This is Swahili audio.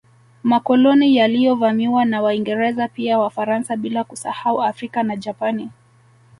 Makoloni yaliyovamiwa na Waingereza pia Wafaransa bila kusahau Afrika na Japani